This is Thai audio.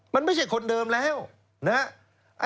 มันไม่ใช่คนเดิมแล้วนะฮะ